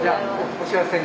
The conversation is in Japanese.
お幸せに。